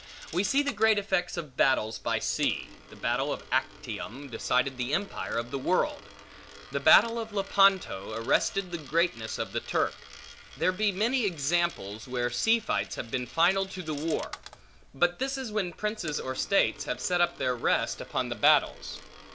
We see the great effects of battles by sea. The battle of Actium, decided the empire of the world. The battle of Lepanto, arrested the greatness of the Turk. There be many examples, where sea fights have been final to the war; but this is when princes or states have set up their rest, upon the battles.